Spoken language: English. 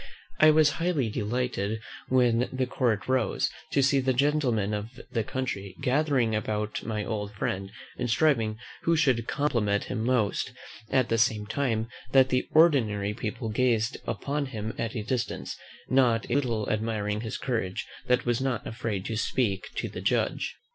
I was highly delighted, when the court rose, to see the gentlemen of the country gathering about my old friend, and striving who should compliment him most; at the same time that the ordinary people gazed upon him at a distance, not a little admiring his courage, that was not afraid to speak to the judge.